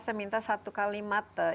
saya minta satu kalimat